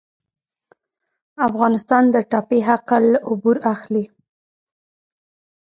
افغانستان د ټاپي حق العبور اخلي